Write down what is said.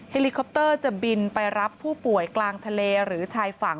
เลิคอปเตอร์จะบินไปรับผู้ป่วยกลางทะเลหรือชายฝั่ง